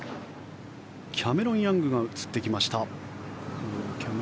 キャメロン・ヤングが映ってきました。